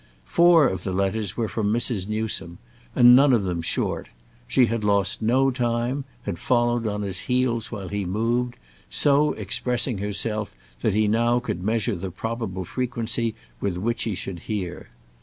Four of the letters were from Mrs. Newsome and none of them short; she had lost no time, had followed on his heels while he moved, so expressing herself that he now could measure the probable frequency with which he should hear.